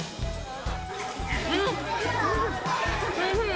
うん、おいしい。